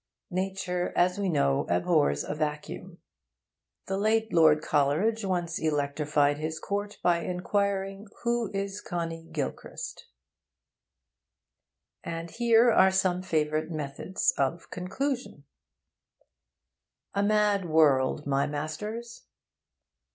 Nature, as we know, abhors a vacuum. The late Lord Coleridge once electrified his court by inquiring 'Who is Connie Gilchrist?' And here are some favourite methods of conclusion: A mad world, my masters!